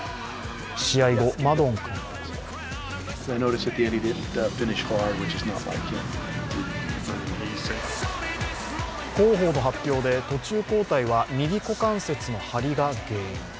試合後、マドン監督は広報の発表で途中交代は右股関節の張りが原因。